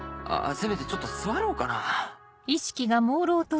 せめてちょっと座ろうかな？